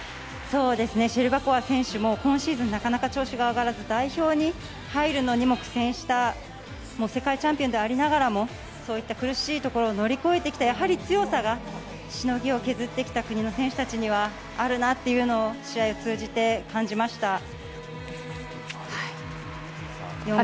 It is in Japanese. シェルバコワ選手も今シーズンなかなか調子が上がらず代表に入るのにも苦戦した世界チャンピオンでありながらもそういった苦しいところを乗り越えてきた強さがしのぎを削ってきた国の選手たちにはあるなというのを試合を通じて感じました。